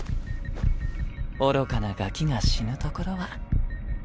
愚かなガキが死ぬところは。